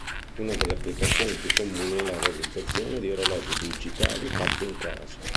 Una delle applicazioni più comuni è la realizzazione di orologi digitali fatti in casa.